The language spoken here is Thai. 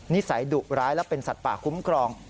นิสัยดุร้ายและเป็นสัตว์ป่าคุ้มครอง